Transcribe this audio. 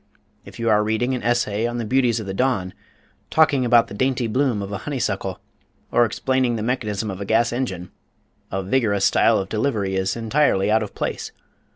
If you are reading an essay on the beauties of the dawn, talking about the dainty bloom of a honey suckle, or explaining the mechanism of a gas engine, a vigorous style of delivery is entirely out of place.